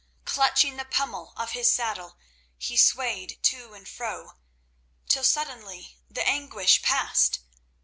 Clutching the pommel of his saddle, he swayed to and fro, till suddenly the anguish passed.